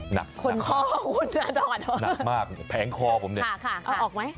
หนักหนักมากแผงคอผมเนี่ยออกไหม